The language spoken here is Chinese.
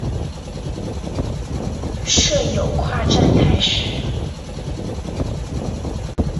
设有跨站式站房。